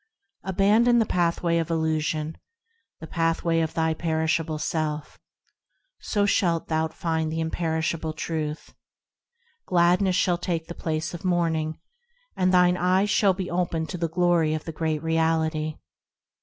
Abandon the pathway of illusion, The pathway of thy perishable self, So shalt thou find the imperishable Truth; Gladness shall take the place of mourning, And thine eyes shall be opened to the glory of the Great Reality.